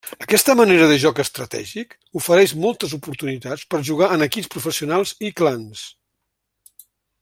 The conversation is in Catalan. Aquesta manera de joc estratègic ofereix moltes oportunitats per jugar en equips professionals i clans.